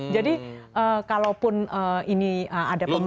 jadi kalaupun ini ada pemahaman